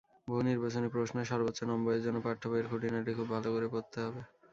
বহুনির্বাচনি প্রশ্নে সর্বোচ্চ নম্বরের জন্য পাঠ্যবইয়ের খুঁটিনাটি খুব ভালো করে পড়তে হবে।